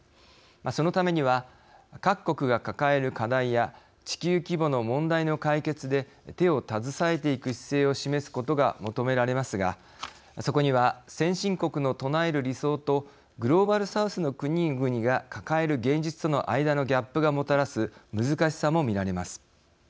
そのためには各国が抱える課題や地球規模の問題の解決で手を携えていく姿勢を示すことが求められますがそこには先進国の唱える理想とグローバル・サウスの国々が抱える現実との間のギャップがもたらす難しさも見られます。